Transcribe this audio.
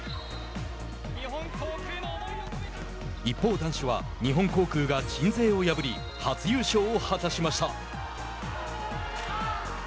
一方、男子は日本航空が鎮西を破り初優勝を果たしました。